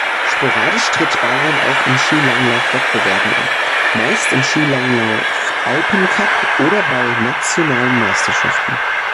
Sporadisch tritt Balan auch in Skilanglauf-Wettbewerben an, meist im Skilanglauf-Alpencup oder bei nationalen Meisterschaften.